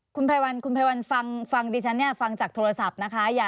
คุณไพรวัลคุณไพรวัลฟังดิฉันเนี่ยฟังจากโทรศัพท์นะคะ